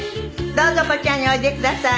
どうぞこちらにおいでください。